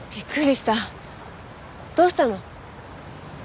どうしたの？